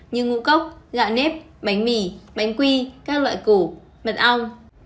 như ngũ cốc gạo nếp bánh mì bánh quy các loại củ mật ong